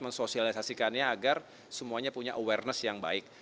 mensosialisasikannya agar semuanya punya awareness yang baik